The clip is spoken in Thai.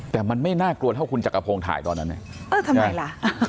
แต่มันไม่น่ากลัวเท่าคุณจักรพงศ์ถ่ายตอนนั้นเนี่ยเออทำไมล่ะ